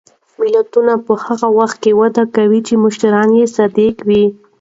ملتونه په هغه وخت کې وده کوي چې مشران یې صادق وي.